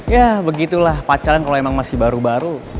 yah begitulah pacaran kalo emang masih baru baru